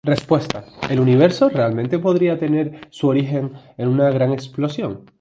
Respuesta: el universo realmente podría tener su origen en una gran explosión.